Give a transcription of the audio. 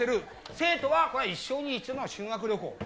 生徒は一生に一度の修学旅行。